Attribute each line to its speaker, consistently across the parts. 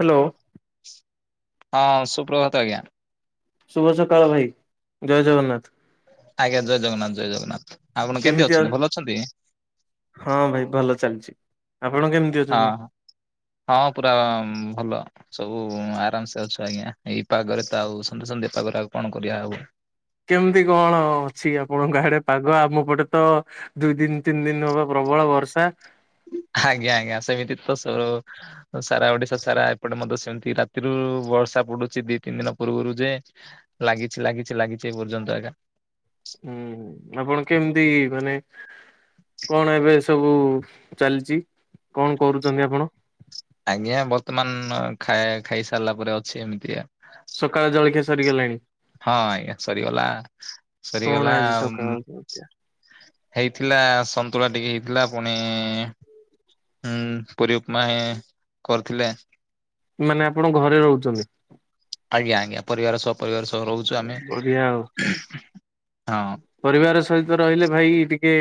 Speaker 1: Hello.
Speaker 2: ହଁ ସୁପ୍ରଭାତ ଆଜ୍ଞା।
Speaker 1: ଶୁଭ ସକାଳ ଭାଇ ଜୟ ଜଗନ୍ନାଥ।
Speaker 2: ଆଜ୍ଞା ଜୟ ଜଗନ୍ନାଥ ଜୟ ଜଗନ୍ନାଥ ଆପଣ କେମିତି ଅଛନ୍ତି ଭଲ ଅଛନ୍ତି?
Speaker 1: ହଁ ଭାଇ ଭଲ ଚାଲିଛି। ଆପଣ କେମତି
Speaker 2: ହଁ ହଁ ପୁରା ଭଲ। ସବୁ ଆରାମସେ ଅଛୁ ଆଜ୍ଞା ଏଇପାଗରେ ତ ଆଉ ସନ୍ଧ୍ୟେ ସନ୍ଧ୍ୟାଟ ପାଗରେ ଆଉ କଣ କରିବା ହଉ?
Speaker 1: କେମିତି କଣ ଅଛି ଆପଣଙ୍କ ଆଡେ ପାଗ ଆମ ପଟେ ତ? ଦୁଇ ଦିନ ତିନି ଦିନ ହବ ପ୍ରବଳ ବର୍ଷା।
Speaker 2: ଆଜ୍ଞା ଆଜ୍ଞା ସେମିତି ତ ସସ ସାରା ଓଡିଶା ସାରା ଏପଟେ ମଧ୍ୟ ସେମିତି ରାତିରୁ ବର୍ଷା ପଡୁଛି ଦି ତିନି ଦିନ ପୂର୍ବରୁ ଯେ ଲାଗିଛି ଲାଗିଛି ଲାଗିଛି ଏ ପର୍ଯ୍ୟନ୍ତ ଆଜ୍ଞା।
Speaker 1: ହୁଁ ହୁଁ ଆପଣ କେମିତି ମାନେ କଣ ଏବେ ସବୁ ଚାଲିଛି କଣ କରୁଛନ୍ତି ଆପଣ?
Speaker 2: ଆଜ୍ଞା ବର୍ତ୍ତମାନ ଖାଇ ଖାଇସାରିଲା ପରେ ଅଛି ଏମିତିଆ
Speaker 1: ସକାଳେ ଜଳଖିଆ ସରିଗଲାଣି?
Speaker 2: ହଁ ଆଜ୍ଞା ସରିଗଲା
Speaker 1: କଣ
Speaker 2: ସରିଗଲା।
Speaker 1: ଆଜି ସକାଳ ଜଳଖିଆ?
Speaker 2: ହେଇଥିଲା ସନ୍ତୁଳା ଟିକେ ହେଇଥିଲା ପୁଣି ହୁଁ ପୁରୀ ଉପମା କରିଥିଲେ।
Speaker 1: ମାନେ ଆପଣଙ୍କ ଘରେ ରହୁଛନ୍ତି।
Speaker 2: ଆଜ୍ଞା ଆଜ୍ଞା ପରିବାର ସହ ପରିବାର ସହ ରହୁଛୁ ଆମେ
Speaker 1: ବଢିଆ ଆଉ
Speaker 2: ହଁ।
Speaker 1: ପରିବାର ସହିତ ରହିଲେ ଭାଇ ଟିକେ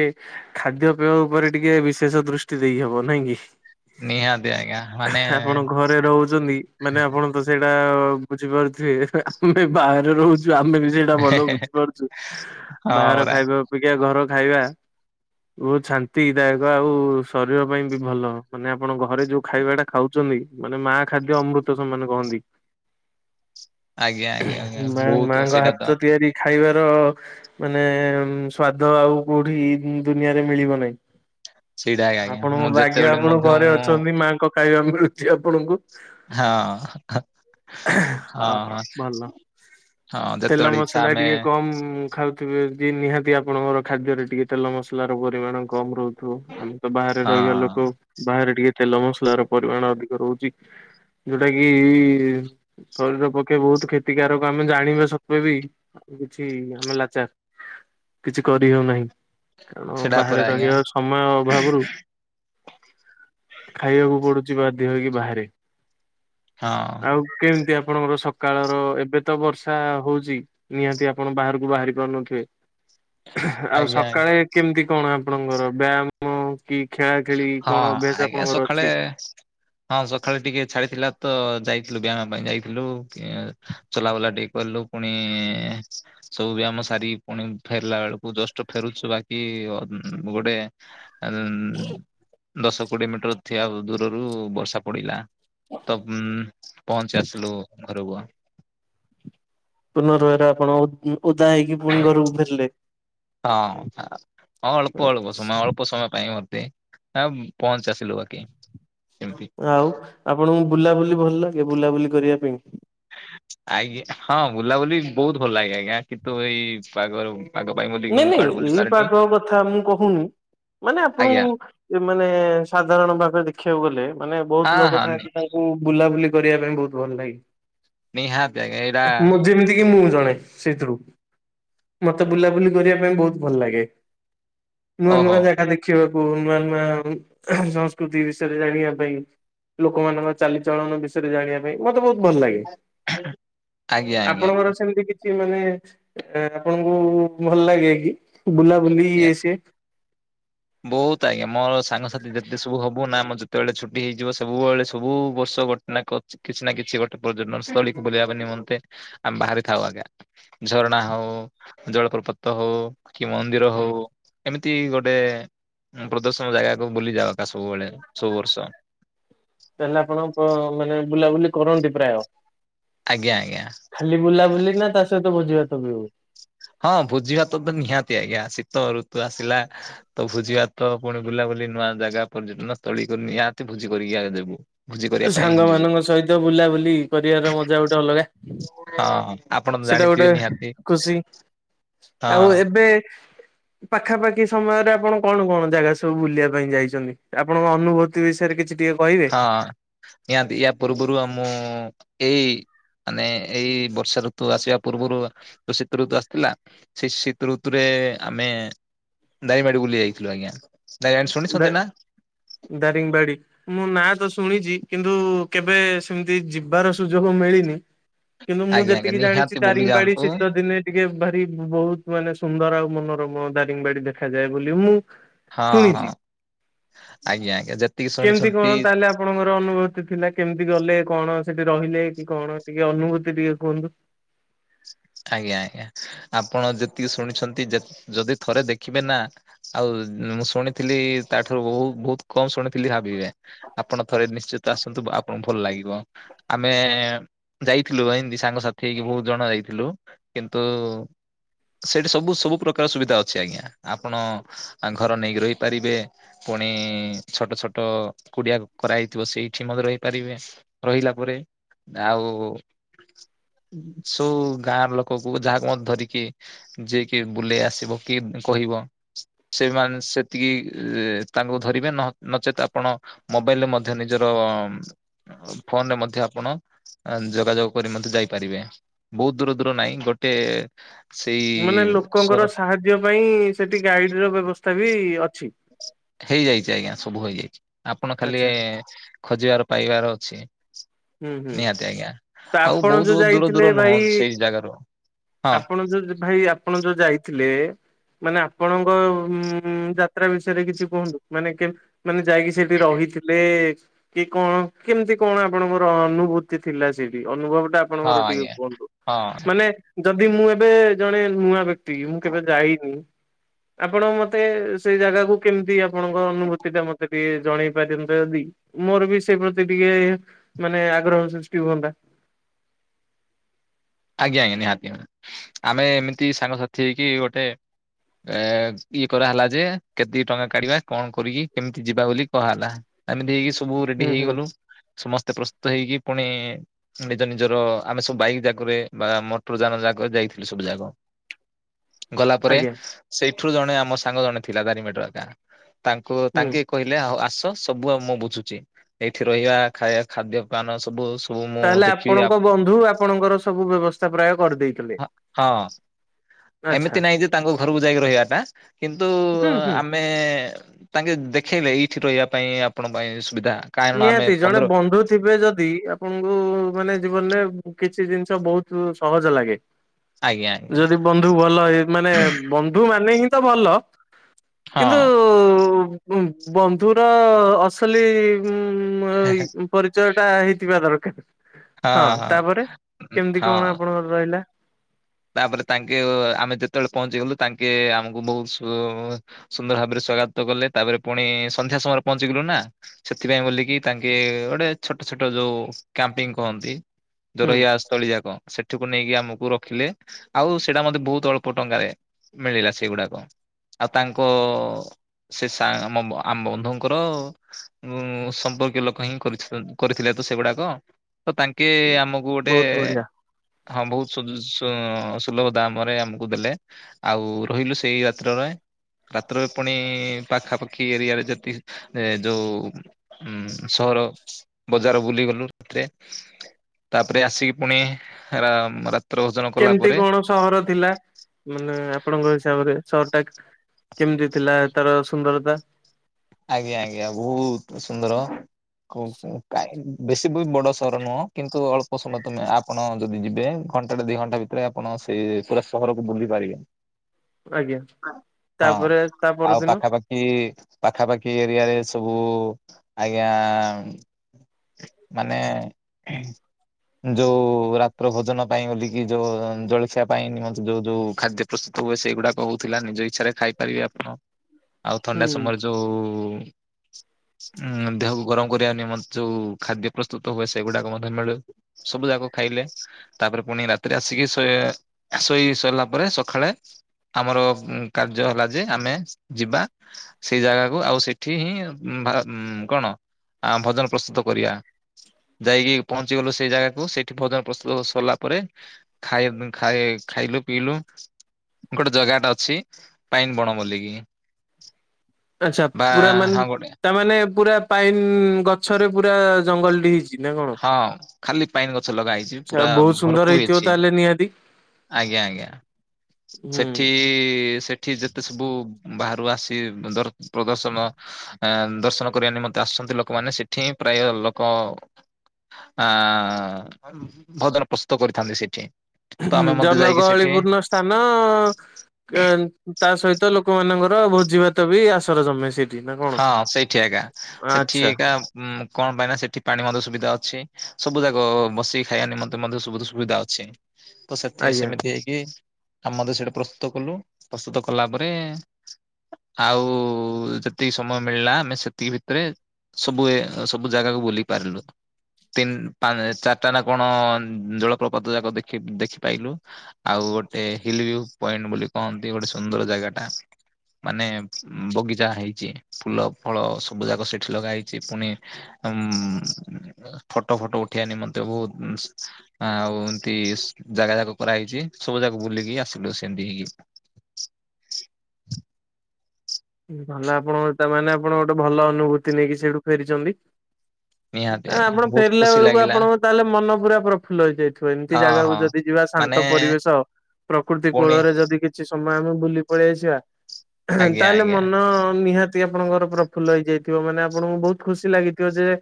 Speaker 1: ଖାଦ୍ୟ ପେୟ ଉପରେ ଟିକେ ବିଶେଷ ଦୃଷ୍ଟି ଦେଇ ହବ ନାଇହିଁ କି?
Speaker 2: ନିହାତି ଆଜ୍ଞା ମାନେ
Speaker 1: ଆପଣ ଘରେ ରହୁଛନ୍ତି ମାନେ ଆପଣ ତ ସେଇଟା ବୁଝିପାରୁଥିବେ ଆମେ ବାହାରେ ରହୁଛୁ ଆମେ ବି ସେଟା
Speaker 2: ହେ
Speaker 1: ଭଲ
Speaker 2: ହେ
Speaker 1: ବୁଝିପାରୁଛୁ
Speaker 2: ହଁ
Speaker 1: ବାହାର
Speaker 2: ପରା
Speaker 1: ଖାଇବା ଅପେକ୍ଷା ଘର ଖାଇବା। ବହୁତ ଶାନ୍ତି ଦାୟକ ଆଉ ଶରୀର ପାଇଁ ବି ଭଲ ମାନେ ଆପଣ ଘରେ ଯୋଉ ଖାଇବା ଟା ଖାଉଛନ୍ତି ମାନେ ମା ଖାଦ୍ୟ ଅମୃତ ସମାନ କହନ୍ତି।
Speaker 2: ଆଜ୍ଞା ଆଜ୍ଞା ଆଜ୍ଞା
Speaker 1: ମା
Speaker 2: ବହୁତ
Speaker 1: ମାଙ୍କ
Speaker 2: ସେଇଟା ତ
Speaker 1: ହାତ ତିଆରି ଖାଇବାର ମାନେ ସ୍ଵାଦ ଆଉ କୋଉଠି ଦୁନିଆରେ ମିଳିବ ନାହିଁ।
Speaker 2: ସେଇଟା ଆଜ୍ଞା ଆଜ୍ଞା।
Speaker 1: ଆପଣଙ୍କ
Speaker 2: ମୁଁ
Speaker 1: ଭାଗ୍ୟ
Speaker 2: ଯେତେବେଳେ
Speaker 1: ଆପଣ
Speaker 2: ମଧ୍ୟ
Speaker 1: ଘରେ
Speaker 2: ମୁଁ
Speaker 1: ଅଛନ୍ତି ମାଙ୍କ ଖାଇବା ମିଳୁଛି ଆପଣଙ୍କୁ।
Speaker 2: ହଁ। ହଁ
Speaker 1: ଓହୋ
Speaker 2: ହଁ
Speaker 1: ଭଲ
Speaker 2: ହଁ
Speaker 1: ତେଲ
Speaker 2: ଯେତେବେଳେ ଇଚ୍ଛା
Speaker 1: ମସଲା
Speaker 2: ଆମେ
Speaker 1: ଟିକେ କମ୍ ଖାଉଥିବେବି ନିହାତି ଆପଣଙ୍କର ଖାଦ୍ୟରେ ଟିକେ ତେଲ ମସଲାର ପରିମାଣ କମ୍ ରହୁ ଆମେତ ବାହାରେ
Speaker 2: ହଁ
Speaker 1: ରହିବା ଲୋକ ବାହାରେ ଟିକେ ତେଲ ମସଲାର ପରିମାଣ ଅଧିକ ରହୁଚି ଯୋଉଟାକି ଶରୀର ପକ୍ଷେ ବହୁତୁ କ୍ଷତିକାରକ ଆମେ ଜାଣିବା ସତେବି ଆଉ କିଛି ଆମୋ କିଛି କରିହଉନାହିଁ। କାରଣ
Speaker 2: ସେଟା ପରା
Speaker 1: ବାହାରେ
Speaker 2: ଆଜ୍ଞା
Speaker 1: ରହିବା ସମୟ ଅଭାବରୁ ଖାଇବାକୁ ପଡ଼ୁଚି ବାଧ୍ୟ ହୋଇକି ବାହାରେ
Speaker 2: ହଁ
Speaker 1: ଆଉ କେମିତି ଆ ଆପଣଙ୍କର ସକାଳର ଏବେତ ବର୍ଷା ହଉଚି ନିହାତି ଆପଣ ବାହାରକୁ ବାହାରି ପାରୁନଥିବେ ଆଉ
Speaker 2: ଆଜ୍ଞା ଆଜ୍ଞା
Speaker 1: ସକାଳେ କେମିତି କଣ ଆପଣଙ୍କର ବ୍ୟାୟାମ କି ଖେଳା ଖେଳି କଣ
Speaker 2: ହଁ
Speaker 1: ଅଭ୍ୟାସ
Speaker 2: ଆଜ୍ଞା
Speaker 1: ଆପଣଙ୍କର ଅଛି?
Speaker 2: ସକାଳେ ହଁ ସକାଳେ ଟିକେ ଛାଡ଼ିଥିବାତ ଯାଇଥିଲୁ ବ୍ୟାୟାମ ପାଇଁ ଯାଇଥିଲୁ ଚଲାବୁଲା ଟିକେ କଲୁ ପୁଣି ସବୁ ବ୍ୟାୟାମ ସାରି ପୁଣି ଫେରିଲା ବେଳକୁ ଜଷ୍ଟ ଫେରୁଚୁ ବାକି ଗୋଟେ ଦଶ କୋଡ଼ିଏ ମିଟର ଥିବା ଦୂରରୁ ବର୍ଷା ପଡ଼ିଲା। ତ ପହଞ୍ଚି ଆସିଲୁ ଘରକୁୁ
Speaker 1: ପୁନର୍ ବାର ଆପଣ ଓଦା ହେଇକି ପୁଣି ଘରକୁ ଫେରିଲେ?
Speaker 2: ହଁ ହଁ ହଁ ଅଳ୍ପ ଅଳ୍ପ ସମୟ
Speaker 1: ଆଛା।
Speaker 2: ଅଳ୍ପ ସମୟ ପାଇଁ ମତେ ହଁ ପହଞ୍ଚି ଆସିଲୁ ବାକି ସେମିତି।
Speaker 1: ଆଉ ଆପଣଙ୍କୁ ବୁଲାବୁଲି ଭଲ ଲାଗେ ବୁଲାବୁଲି କରିବା ପାଇଁ?
Speaker 2: ଆଜ୍ଞା ହଁ ବୁଲାବୁଲି ବହୁତ୍ ଭଲ ଲାଗେ ଆଜ୍ଞା କିନ୍ତୁ ଏଇ ପାଗରେ
Speaker 1: ନାଇଁ ନାଇଁ ଏଇ ପାଗ କଥା ମୁଁ କହୁନି ମାନେ
Speaker 2: ଆଜ୍ଞା
Speaker 1: ଆପଣଙ୍କୁ ମାନେ ସାଧାରଣ ଭାବରେ ଦେଖିବାକୁ ଗଲେ ମାନେ
Speaker 2: ହଁ
Speaker 1: ବହୁତ୍ ଲୋକ
Speaker 2: ହଁ ନି
Speaker 1: ଥାଆନ୍ତି ତା ହଁ ବୁଲାବୁଲି କରିବା ପାଇଁ ବହୁତ୍ ଭଲ
Speaker 2: ନିହାତି ଆଜ୍ଞା ଏଇଟା
Speaker 1: ଲାଗେ ମୁଁ ଯେମିତିକିି ମୁଁ ଜଣେ। ସେଇଥିରୁ ମତେ ବୁଲାବୁଲି କରିବା ପାଇଁ ବହୁତ୍ ଭଲ ଲାଗେ। ନୂଆ
Speaker 2: ଓହୋ
Speaker 1: ନୂଆ ଜାଗା ଦେଖିବାକୁ ନୂଆ ନୂଆ ସଂସ୍କୃତି ବିଷୟରେ ଜାଣିବା ପାଇଁ ଲୋକମାନଙ୍କ ଚାଲିଚଳନ ବିଷୟରେ ଜାଣିବା ପାଇଁ ମତେ ବହୁତ୍ ଭଲ ଲାଗେ।
Speaker 2: ଆଜ୍ଞା ଆଜ୍ଞା।
Speaker 1: ଆପଣଙ୍କର ସେମିତି କିଛି ମାନେ ଆପଣଙ୍କୁ ଭଲ ଲାଗେକି ବୁଲାବୁଲି ଇଏ ସିଏ?
Speaker 2: ବହୁତ୍ ଆଜ୍ଞା ମୋର ସାଙ୍ଗସାଥି ଯେତେ ସବୁ ହବୁ ନା ମୋର ଯେତେବେଳେ ଛୁଟି ହେଇଯିବ ସବୁବେଳେ ସବୁ ବର୍ଷ ଗୋ ନା କିଛି ନା କିଛି ଗୋଟେ ପର୍ଯ୍ୟଟନ ସ୍ଥଳୀକୁ ବୁଲିବା ପାଇଁ ନିମନ୍ତେ ଆମେ ବାହାରିଥାଉ ଆଜ୍ଞା। ଝରଣା ହଉ ଜଳପ୍ରପତ ହଉ କିମନ୍ଦିର ହଉ ଏମିତି ଗୋଟେ ପ୍ରଦର୍ଶନ ଜାଗାକୁ ବୁଲି ଯାଉ ଏକା ସବୁବେଳେ ସବୁ ବର୍ଷ
Speaker 1: ତାହେଲେ ଆପଣ ପ ମାନେ ବୁଲାବୁଲି କରନ୍ତି ପ୍ରାୟ?
Speaker 2: ଆଜ୍ଞା ଆଜ୍ଞା।
Speaker 1: ଖାଲି ବୁଲାବୁଲିନା ତାସହିତ ଭୋଯି ଭାତବି ହୁଏ?
Speaker 2: ହଁ ଭୋଜି ଭାତତ ନିହାତି ଆଜ୍ଞା ଶୀତ ଋତୁ ଆସିଲା ତ ଭୋଜି ଭାତ ପୁଣି ବୁଲାବୁଲି ନୂଆ ଜାଗା ପର୍ଯ୍ୟଟନ ସ୍ଥଳୀ କର ନିହାତି ଭୋଜି କରିକି ଦେବୁ।
Speaker 1: ସାଙ୍ଗ ମାନଙ୍କ ସହିତ ବୁଲାବୁଲି କରିବାର ମଜା ଗୋଟେ ଅଲଗା।
Speaker 2: ହଁ ହଁ ଆପଣତ
Speaker 1: ସେଇଟା ଗୋଟେ
Speaker 2: ଜାଣିଥିବେ ନିହାତି।
Speaker 1: ଖୁସି ଆଉ
Speaker 2: ହଁ।
Speaker 1: ଏବେ ପାଖାପାଖି ସମୟରେ ଆପଣ କଣ କଣ ଜାଗା ସବୁ ବୁଲିବା ପାଇଁ ଯାଇଚନ୍ତି ଆପଣଙ୍କ ଅନୁଭୂତି ବିଷୟରେ କିଛି ଟିକେ କହି
Speaker 2: ହଁ ନିହାତି ୟା ପୂର୍ବରୁ ୟା ଏଇ ମାନେ ଏଇ ବର୍ଷା ଋତୁ ଆସିଆ ପୂର୍ବୁରୁ ଯୋଉ ଶୀତ ଋତୁ ଆସିଥିଲା ସେଇ ଶୀତଋତୁରେ ଆମେ ଦାରିଙ୍ଗ୍ ବାଡି ବୁଲି ଯାଇଥିଲୁ ଆଜ୍ଞା। [inaudible] ଶୁଣିିଛନ୍ତି ନା
Speaker 1: ଦାରିଙ୍ଗ୍ ବାଡ଼ି ମୁଁ ନାଁ ତ ଶୁଣିଚି କିନ୍ତୁ କେବେ ସେମିତି ଯିବାର ସୁଯୋଗ ମିଳିନି କିନ୍ତୁ ମୁଁ
Speaker 2: ଆଜ୍ଞା ଆଜ୍ଞା
Speaker 1: ଯେତିକି ଜାଣିଚି
Speaker 2: ନିହାତି ବୁଲି
Speaker 1: ଦାରିଙ୍ଗ୍ ବାଡି
Speaker 2: ଯାଆନ୍ତୁ।
Speaker 1: ଶୀତ ଦିନେ ଟିକେ ଭାରି ବହୁତ୍ ମାନେ ସୁନ୍ଦର ଆଉ ମନୋରମ ଦାରିଙ୍ଗ୍ ବାଡି ଦେଖାଯାଏ ବୋଲି ମୁ
Speaker 2: ହଁ ହଁ ଆଜ୍ଞା ଆଜ୍ଞା ଯେତିକି
Speaker 1: କେମିତି କଣ
Speaker 2: ଶୁଣିଛନ୍ତି
Speaker 1: ତାହେଲେ ଆପଣଙ୍କର ଅନୁଭୂତି ଥିଲା କେମ୍ ତି ଗଲେ କଣ ସେଟି ରହିଲେ କି କଣ ଟିକେ ଅନୁଭୂତି ଟିକେ କୁହନ୍ତୁ
Speaker 2: ଆଜ୍ଞା ଆଜ୍ଞା ଆପଣ ଯେତିକି ଶୁଣିଛନ୍ତି ଯ ଯଦି ଥରେ ଦେଖିବେ ନା ଆଉ ମୁଁ ଶୁଣିଥିଲି ତାଠାରୁ ବହୁ ବହୁତ୍ କମ୍ ଶୁଣି ଖାଲି ଭାବିବେ ଆପଣ ଥରେ ନିଶ୍ଚିତ ଆସନ୍ତୁ ଆପ୍ ଭଲ୍ ଲାଗିବ ଆମେ ଯାଇଥିଲୁ ଏମ୍ ତି ସାଙ୍ଗ ସାଥି ହେଇକି ବହୁତ୍ ଜଣ ଯାଇଥିଲୁ କିନ୍ତୁ ସେଇଠି ସବୁ ସବୁ ପ୍ରକାର ସୁବିଧା ଅଛି ଆଜ୍ଞା ଆପଣ ଘର ନେଇକି ରହିପାରିବେ ପୁଣି ଛୋଟ ଛୋଟ କୁଡିଆ କରାହେଇଥିବ ସେଇଠି ମଧ୍ୟ ରହି ପାରିବେ। ରହିଲା ପରେ ଆଉ ସଉ ଗାଁ ର ଲୋକକୁ ଯାହାକୁ ମ ଧରିକି ଯିଏକି ବୁଲେଇ ଆସିବ କି କହିବ ସେମାନ୍ ସେତିକି ତାଙ୍କୁ ଧରିବେ ନ ନଚେତ୍ ଆପଣ ମୋବାଇଲ୍ ମଧ୍ୟ ନିଜର ଫୋନ୍ ରେ ମଧ୍ୟ ଆପଣ ଯୋଗାଯୋଗ କରି ମଧ୍ୟ ଯାଇପାରିବେ। ବହୁତ ଦୂର ଦୂର ନାଇଁ ଗୋଟେ ସେଇ
Speaker 1: ମାନେ
Speaker 2: ସ
Speaker 1: ଲୋକଙ୍କର [inaudible] ପାଇଁ ସେଠି ଗାଇଡ୍ ର ବ୍ୟବସ୍ଥା ବି ଅଛି।
Speaker 2: ହେଇଯାଇଛି ଆଜ୍ଞା ସବୁ ହେଇଯାଇଚି ଆପଣ ଖାଲି
Speaker 1: ଆଚ୍ଛା
Speaker 2: ଖୋଜିବାର ପାଇବାର ଅଛି
Speaker 1: ହୁଁ ହୁଁ
Speaker 2: ନିହାତି ଆଜ୍ଞା।
Speaker 1: ତ
Speaker 2: ଆଉ
Speaker 1: ଆପଣ
Speaker 2: ବହୁତ
Speaker 1: ଯୋଉ
Speaker 2: ବହୁତ ଦୂର ଦୂର
Speaker 1: ଯାଇଥିଲେ
Speaker 2: ନୁହଁ
Speaker 1: ଭାଇ
Speaker 2: ସେଇ ଜାଗାରୁ ହଁ
Speaker 1: ଆପଣ ଯୋଉ ଭାଇ ଆପ୍ ଆପଣ ଯୋଉ ଯାଇଥିଲେ ମାନେ ଆପଣଙ୍କ ଉଁ ଯାତ୍ରା ବିଷୟରେ କିଛି କୁହନ୍ତୁ ମାନେ କେ ମାନେ ଯାଇକି ସେଠି ରହିଥିବେ କି କଣ କେମ୍ ତି କଣ ଆପଣଙ୍କର ଅନୁଭୂତି ଥିଲା ସେଠି ଅନୁଭବ ଟା
Speaker 2: ହଁ
Speaker 1: ଆପଣଙ୍କର ଟିକେ
Speaker 2: ଆଜ୍ଞା।
Speaker 1: କୁହନ୍ତୁ
Speaker 2: ହଁ
Speaker 1: ମାନେ ଯଦି ମୁଁ ଏବେ ଜଣେ ନୂଆ ବ୍ୟକ୍ତି ମୁଁ କେବେ ଯାଇନି ଆପଣ ମତେ ସେଇ ଜାଗାକୁ କେମ୍ ତି ଆପଣଙ୍କ ଅନୁଭୂତି ଟା ମତେ ଟିକେ ଜଣେଇ ପାରନ୍ତେ ଯଦି ମୋର ବି ସେ ପ୍ରତି ଟିକେ ମାନେ ଆଗ୍ରହ ସୃଷ୍ଟି ହୁଅନ୍ତା।
Speaker 2: ଆଜ୍ଞା ଆଜ୍ଞା ନିହାତି ଆମେ ଏମିତି ସାଙ୍ଗସାଥି ହେଇକି ଗୋଟେ ଏ ଇ କରାହେଲା ଯେ କେତିକି ଟଙ୍କା କାଢିବା କଣ କରିକି କେମିତି ଯିବା ବୋଲି କୁହାହେଲା ଆମେ ଦେଇକି ସବୁ ରେଡି
Speaker 1: ହୁଁ ହୁଁ
Speaker 2: ହେଇଗଲୁ ସମସ୍ତେ ପ୍ରସ୍ତୁତ ହେଇକି ପୁଣି ନିଜ ନିଜର ଆମେ ସବୁ ବାଇକ୍ ଯାକରେ ବା ମଟର ଯାନ ଜାକ ଯାଇଥିଲୁ ସବୁ ଯାକ ଗଲା ପରେ
Speaker 1: ଆଜ୍ଞା
Speaker 2: ସେଇଠୁ ଜଣେ ଆମ ସାଙ୍ଗ ଜଣେ ଥିଲା ଦାରିଙ୍ଗ୍ ବାତି ର ଆଗା ତାଙ୍କୁ
Speaker 1: ହୁଁ।
Speaker 2: ତାଙ୍କେ କହିଲେ ଆଉ ଆସ ସବୁ ଆଉ ମୁଁ ବୁଝୁଛି ଏଇଠି ରହିବା ଖାଇଆ ଖାଦ୍ୟ ପାନ ସବୁ ସବୁ ମୁଁ
Speaker 1: ତାହେଲେ
Speaker 2: ଦେଖିବି ଆ
Speaker 1: ଆପଣଙ୍କ ବନ୍ଧୁ ଆପଣଙ୍କର ସବୁ ବ୍ୟବସ୍ଥା ପ୍ରାୟ କରିଦେଇ
Speaker 2: ହଁ।
Speaker 1: ଆଚ୍ଛା
Speaker 2: ଏମିତି ନାଇଁ ଯେ ତାଙ୍କ ଘରୁକୁ ଯାଇକି ରହିଆଟା କିନ୍ତୁ
Speaker 1: ହୁଁ ହୁଁ।
Speaker 2: ଆମେ ନେ ତାଙ୍କେ ଦେଖେଇଲେ ଏଇଠି ରହିଆ ପାଇଁ ଆପଣ ପାଇଁ ସୁବିଧା। କାରଣ ଆମେ
Speaker 1: ନିହାତି, ଜଣେ
Speaker 2: ପନ୍ଦର
Speaker 1: ବନ୍ଧୁ ଥିବେ ଯଦି, ଆପଣଙ୍କୁ ମାନେ ଜୀବନରେ କିଛି ଜିନିଷ ବହୁତ୍ ସହଜ ଲାଗେ।
Speaker 2: ଆଜ୍ଞା ଆଜ୍ଞା
Speaker 1: ଯଦି ବନ୍ଧୁ ଭଲ ହେଇ ମାନେ ବନ୍ଧୁ ମାନେ ହିଁ ତ ଭଲ
Speaker 2: ହଁ
Speaker 1: କିନ୍ତୁ ଉ ଉ ଉ ବନ୍ଧୁର ଅସଲି ଉଁ
Speaker 2: ହଁ
Speaker 1: ଉଁ ପରିଚୟ ଟା ହେଇଥିବା ଦରକାର, ହଁ ତାପରେ, କେମିତି
Speaker 2: ହଁ
Speaker 1: କଣ ଆପଣଙ୍କର ରହିଲା?
Speaker 2: ତାପରେ ତାଙ୍କେ, ଆମେ ଯେତେବେଳେ ପହଞ୍ଚିଗଲୁ ତାଙ୍କେ ଆମକୁ ବହୁତ ସୁନ୍ଦର ଭାବରେ ସ୍ଵାଗତ କଲେ, ତାପରେ ପୁଣି, ସନ୍ଧ୍ୟା ସମୟରେ ପହଞ୍ଚିଲୁ ନା ସେଥିପାଇଁ ବୋଲିକି ତାଙ୍କେ, ଗୋଟେ ଛୋଟ ଛୋଟ ଯୋଉ କ୍ୟାମ୍ପିଙ୍ଗ୍ କହନ୍ତି ଯୋଉ
Speaker 1: ହୁଁ
Speaker 2: ରହିଆ ସ୍ଥଳି ଯାକ, ସେଠିକୁ ନେଇକି ଆମକୁ ରଖିଲେ ଆଉ ସେଇଟା ମତେ ବହୁତ ଅଳ୍ପ୍ ଟଙ୍କାରେ ମିଳିଲା ସେଗୁଡାକ। ଆଉ ତାଙ୍କ, ସେ ସା ଆମ ଆମ ବନ୍ଧୁଙ୍କର ଉ ସମ୍ପର୍କୀୟ ଲୋକ ହିଁ କରି କରିଥିଲେ ତ ସେଗୁଡାକ, ତ ତାଙ୍କ୍ କେ, ଆମକୁ ଗୋଟେ
Speaker 1: ବହୁତ ବଢିଆ
Speaker 2: ହଁ ବହୁତ୍ [unintelligible] ସୁଲଭ୍ ଦାମରେ ଆମକୁ ଦେଲେ, ଆଉ ରହିଲୁ ସେଇ ରାତ୍ରରେ। ରାତ୍ରରେ ପୁଣି ପାଖାପାଖି ଏରିଆରେ ଯଦି ଯୋଉ ହୁଁ, ସହର, ବଜାର ବୁଲିଗଲୁ ସେଥିରେ। ତାପରେ ଆସିକି ପୁଣି, ରା ରାତ୍ର ଭୋଜନ କଲା
Speaker 1: କେମିତି
Speaker 2: ପରେ
Speaker 1: କଣ ସହର ଥିଲା? ମାନେ ଆପଣଙ୍କ ହିସାବରେ ସହର ଟା କେମିତି ଥିଲା ତାର ସୁନ୍ଦରତା?
Speaker 2: ଆଜ୍ଞା ଆଜ୍ଞା ବହୁତ ସୁନ୍ଦର, କ କଁ କାଇଁ? ବେଶୀ ବି ବଡ ସହର ନୁହଁ କିନ୍ତୁ ଅଳ୍ପ ସମୟ ତମେ ଆପଣ ଯଦି ଯିବେ ଘଣ୍ଟାଟେ ଦି ଘଣ୍ଟା ଭିତ୍ ସେଥିରେ ଆପଣ ସେଇ ପୁରା ସହରକୁ ବୁଲିି ପାରିବେ?
Speaker 1: ଆଜ୍ଞା
Speaker 2: ହଁ,
Speaker 1: ତାପରେ ତା
Speaker 2: ଆଉ
Speaker 1: ପରଦିନ
Speaker 2: ପାଖାପାଖି କି, ପାଖାପାଖି ଏରିଆ ରେ ସବୁ ଆଜ୍ଞା ମାନେ ଯୋଉ ରାତ୍ର ଭୋଜନ ପାଇଁ ବୋଲିକି ଯୋଉ ଜଳଖିଆ ପାଇଁ ନିମନ୍ତେ ଯୋଉ ଯୋଉ ଖାଦ୍ୟ ପ୍ରସ୍ତୁତ ହୁଏ, ସେଇଗୁଡ଼ା ହଉଥିଲା, ନିଜ ଇଛାରେ ଖାଇପାରିବେ ଆପଣ? ଆଉ ଥଣ୍ଡା
Speaker 1: ହୁଁ
Speaker 2: ସମୟରେ ଯୋଉ, ଉଁ ଦେହକୁ ଗରମ କରିବା ନିମ ଯୋଉ ଖାଦ୍ୟ ପ୍ରସ୍ତୁତ ହୁଏ, ସେଗୁଡାକ ମଧ୍ୟ ମିଳେ। ସବୁ ଯାକ ଖାଇଲେ, ତାପରେ ପୁଣି ରାତିରେ ଆସିକି ସେ ଶୋଇ ସାରିଲା ପରେ, ସକାଳେ ଆମର କାର୍ଯ୍ୟ ହେଲା ଯେ ଆମେ ଯିବା ସେଇ ଜାଗାକୁ, ଆଉ ସେଠି ହିଁ ଭା କଣ ଭଜନ ପ୍ରସ୍ତୁତ କରିବା, ଯାଇକି ପହଞ୍ଚି ଗଲୁ ସେଇ ଜାଗାକୁ, ସେଇଠି ଭୋଜନ ପ୍ରସ୍ତୁତ ସରିଲା ପରେ ଖାଇ ଖାଇ ଖାଇଲୁ ପିଇଲୁ ଗୋଟେ ଜାଗା ଟା ଅଛି, ପାଇନ୍ ବଣ ବୋଲିକି।
Speaker 1: ଆଛା,
Speaker 2: ବା
Speaker 1: ପୁରା ମାନେ,
Speaker 2: ହଁ ଗୋଟେ
Speaker 1: ତା ମାନେ ପୁରା ପାଇନ୍ ଗଛରେ ପୁରା ଜଙ୍ଗଲ ଟି ହେଇଚି।
Speaker 2: ହଁ ଖାଲି ପାଇନ୍ ଗଛ ଲଗା ହେଇଚି, ପୁରା ଭରପୁର୍
Speaker 1: ବିକିବ ତାହେଲେ ନିହାତି?
Speaker 2: ଆଜ୍ଞା ଆଜ୍ଞା,
Speaker 1: ହୁଁ
Speaker 2: ସେଠି ସେଠ୍ ଏଠି ଯେତେ ସବୁ, ବାହାରୁ ଆସି, ଦର ପ୍ରଦର୍ଶନ୍ ଆ ଦର୍ଶନ କରିବା ନିମନ୍ତେ ଆସନ୍ତି ଲୋକମାନେ, ସେଠିଁ ପ୍ରାୟ ଲୋକ ଆ ଭୋଜନ ପ୍ରସ୍ତୁତ କରିଥାନ୍ତି ସେଠି। ତ ଆମେ ମଧ୍ୟ ଯାଇକି
Speaker 1: ଜନଗହଳି
Speaker 2: ସେଠି
Speaker 1: ପୂର୍ଣ୍ଣ ସ୍ଥାନ ଅ ଅ କେନ୍ ଉ ତା ସହିତ ଲୋକମାନଙ୍କର ଭୋଜିଭାତ ବି ଆସର ଜମେ ସେ
Speaker 2: ହଁ ସେଇଠି ଆଜ୍ଞା ସେଠି
Speaker 1: ଆଚ୍ଛା
Speaker 2: ଏକା ଉଁ କଣ ପାଇଁ ନା ସେଠି ପାଣି ମଧ୍ୟ ସୁବିଧା ଅଛି ସବୁ ଯାକ ବସିକି ଖାଇବା ନିମନ୍ତେ ମଧ୍ୟ ସୁବିଧ ସୁବିଧା ଅଛି। ତ ସେଥିପାଇଁ
Speaker 1: ଆଜ୍ଞା
Speaker 2: ସେମିତି କି ଆମେ ମଧ୍ଯ ସେଇଟୁ ପ୍ରସ୍ତୁତ କଲୁ ପ୍ରସ୍ତୁତ କଲା ପରେ ଆଉ ଯେ ତିକି ସମୟ ମିଳିଲା ଆମେ ସେତିକି ଭିତରେ ସବୁ ଏ ସବୁ ଜାଗାକୁ ବୁଲି ପାରିଲୁ। ତିନ୍, ପା, ଚାରିଟା ନା କଣ ଜଳପ୍ରପାତ ଯାକ ଦେଖି ଦେଖିପାଇଲୁ। ଆଉ ଗୋଟେ ହିଲିୟୁ ପଏଣ୍ଟ ବୋଲି କହନ୍ତି ଗୋଟେ ସୁନ୍ଦର ଜାଗା ଟା ମାନେ ବଗିଚା ହେଇ ଚି ଫୁଲ, ଫଳ ସବୁ ଯାକ ସେଠି ଲଗା ହେଇଚି ପୁନି ଉଁ ଫଟୋ ଫଟୋ ଉଠେଇବା ନିମନ୍ତେ ବହୁତ୍ ଉଁ ଆଉ ଏମିତି ଜାଗା ଜାଗ କରାହେଇଚି ସବୁ ଜାଗା ବୁଲିକି ଆସିଲୁ ସେମିତି ହେଇକି
Speaker 1: ଉଁ ଭଲ ଆପଣ ତା ମାନେ ଆପଣ ଗୋଟେ ଭଲ ଅନୁଭୂତି ନେଇକି ସେଇଠୁ ଫେରିଚନ୍ତି
Speaker 2: ନିହାତି
Speaker 1: ନା
Speaker 2: ଆଜ୍ଞା
Speaker 1: ଆପଣ
Speaker 2: ବହୁତ
Speaker 1: ଫେରିଲା
Speaker 2: ଖୁସି
Speaker 1: ବେଳକୁ
Speaker 2: ଲାଗିଲା
Speaker 1: ଆପଣଙ୍କ ତାହେଲେ ମନ ପୁରା ପ୍ର - ଫୁଲ ହେଇଯାଇଥିବ ଏମିତି
Speaker 2: ହଁ ହଁ
Speaker 1: ଜାଗାକୁ ଯଦି ଯିବା
Speaker 2: ମାନେ
Speaker 1: ଶାନ୍ତ ପରିବେଶ ପ୍ରକୃତି
Speaker 2: ପୁଣି
Speaker 1: କୋଳରେ ଯଦି କି ଛି ସମୟ ଆମେ ବୁଲି ପଳେଇ ଆସିବା
Speaker 2: ଆଜ୍ଞା ଆଜ୍ଞା।
Speaker 1: ଆପଣଙ୍କୁ ନିହାତି ଆପଣଙ୍କର ପ୍ରଫୁଲ୍ଲ ହେଇଯାଇଥିବ ମାନେ ଆପଣଙ୍କୁ ବହୁତ ଖୁସି ଲାଗିଥିବ ଯେ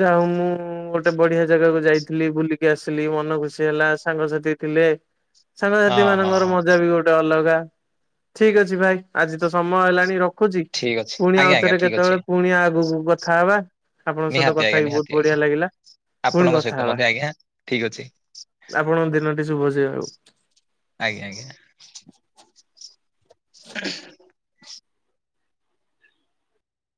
Speaker 1: ଯାହାହୋଉ ମୁଁ ଗୋଟେ ବଢିଆ ଜାଗାକୁ ଯାଇଥିଲି ବୁଲିକି ଆସିଲି ମନ ଖୁସି ହେଲା ସାଙ୍ଗସାଥି ଥିଲେ ଁ
Speaker 2: ହଁ
Speaker 1: ସାଙ୍ଗସାଥି
Speaker 2: ହଁ
Speaker 1: ମାନଙ୍କର
Speaker 2: ହଁ
Speaker 1: ମଜା ବି ଗୋଟେ ଅଲଗା ଠିକ୍ ଅଛି ଭାଇ ଆଜି ତ ସମୟ ହେଲାଣି ର ଖୁଚି
Speaker 2: ଠିକ୍ ଅଛି
Speaker 1: ପୁଣି
Speaker 2: ଆଜ୍ଞା ଆଜ୍ଞା
Speaker 1: ଆଉଥରେ
Speaker 2: ଠିକ୍ ଅଛି।
Speaker 1: କେତବେଳେ ପୁଣି ଆଗକୁ କଥା ହେବା ଆପଣଙ୍କ ସହିତ
Speaker 2: ନିହାତି
Speaker 1: କଥା
Speaker 2: ଆଜ୍ଞା
Speaker 1: ହେଇ
Speaker 2: ନିହାତି
Speaker 1: ବହୁତ ବଢିଆ
Speaker 2: ଆଜ୍ଞା
Speaker 1: ଲାଗିଲା ପୁଣି
Speaker 2: ଆପଣଙ୍କ
Speaker 1: କଥା
Speaker 2: ସହିତ
Speaker 1: ହେବା।
Speaker 2: ମଧ୍ୟ ଆଜ୍ଞା ଠିକ୍ ଅଛି
Speaker 1: ଆପଣଙ୍କ ଦିନଟି ଶୁଭ ସି ହେଉ।
Speaker 2: ଆଜ୍ଞା ଆଜ୍ଞା।